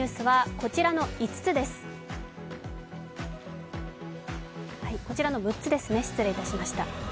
こちらの６つですね、失礼しました